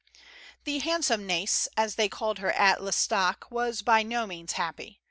The handsome Nais, as they called lier at L'Estaque, was by no means happy.